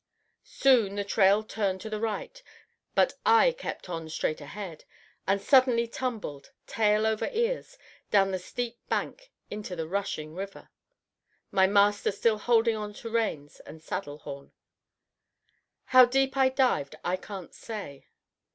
Soon the trail turned to the right, but I kept on straight ahead, and suddenly tumbled, tail over ears, down the steep bank into the rushing river, my master still holding on to reins and saddle horn. How deep I dived I can't say.